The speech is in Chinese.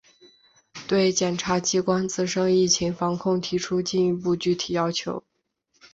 对检察机关自身疫情防控提出进一步具体要求